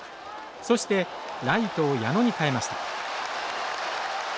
そしてライトを矢野に代えました。